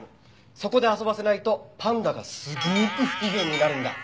そこで遊ばせないとパンダがすごく不機嫌になるんだ。